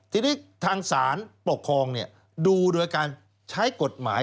ทีนี้ทางศาลปกครองดูโดยการใช้กฎหมาย